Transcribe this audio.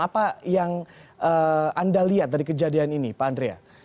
apa yang anda lihat dari kejadian ini pak andrea